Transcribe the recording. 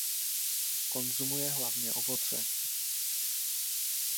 Konzumuje hlavně ovoce.